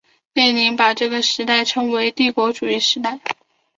列宁把这个时代称为帝国主义时代。